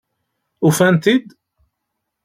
Ufan-t-id?